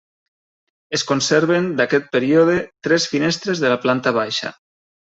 Es conserven d'aquest període tres finestres de la planta baixa.